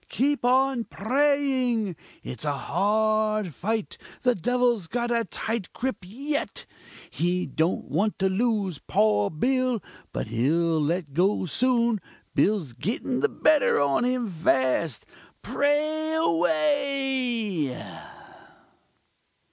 keep on praying! it's a hard fight the devil's got a tight grip yet! He don't want to lose poor Bill but he'll let go soon Bill's gittin the better on him fast! Pray away!"